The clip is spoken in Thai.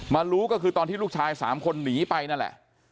รู้ก็คือตอนที่ลูกชาย๓คนหนีไปนั่นแหละ